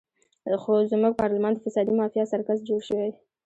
خو زموږ پارلمان د فسادي مافیا سرکس جوړ شوی.